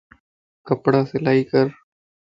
ڪپڙا سلائي ڪر